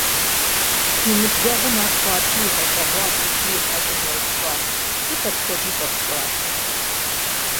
И ныбжьэгъум ар хуабжьу игъэщӀэгъуащ икӀи и хьэщӀэм еупщӀащ: - Сыт апхуэдэу щӀэпщӀар?